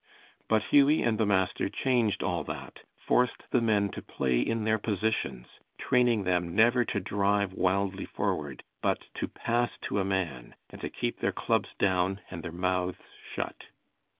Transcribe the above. But Hughie and the master changed all that, forced the men to play in their positions, training them never to drive wildly forward, but to pass to a man, and to keep their clubs down and their mouths shut.